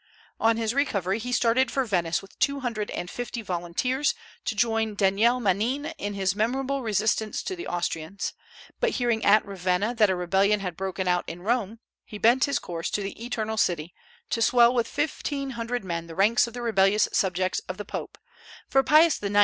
On his recovery he started for Venice with two hundred and fifty volunteers, to join Daniele Manin in his memorable resistance to the Austrians; but hearing at Ravenna that a rebellion had broken out in Rome, he bent his course to the "Eternal City," to swell with fifteen hundred men the ranks of the rebellious subjects of the Pope, for Pius IX.